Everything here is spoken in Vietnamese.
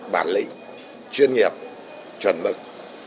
bản lĩnh chuyên nghiệp chuẩn mực